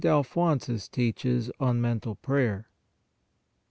ALPHONSUS TEACHES ON MENTAL PRAYER.